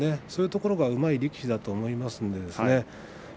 そういうところがうまい力士だと思います。